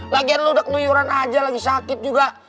lagian lu udah kenuyuran aja lagi sakit juga